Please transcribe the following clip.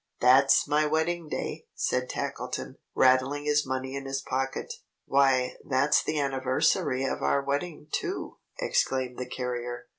"That's my wedding day!" said Tackleton, rattling his money in his pocket. "Why, that's the anniversary of our wedding, too!" exclaimed the carrier.